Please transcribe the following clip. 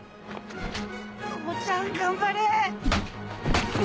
父ちゃん頑張れ。